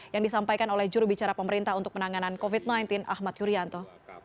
yang disampaikan oleh jurubicara pemerintah untuk penanganan covid sembilan belas ahmad yuryanto